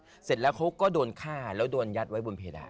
เสร็จแล้วเขาก็โดนฆ่าแล้วโดนยัดไว้บนเพดาน